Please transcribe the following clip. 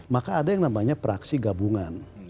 maka ada yang namanya praksi gabungan